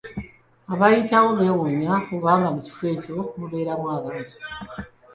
Abayitawo bewuunya oba nga mu kifo ekyo mubeeramu abantu.